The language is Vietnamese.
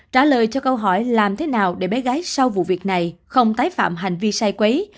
trả lời cho câu hỏi làm thế nào để bé gái sau vụ việc này không tái phạm hành vi sai quái